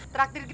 traktir di depan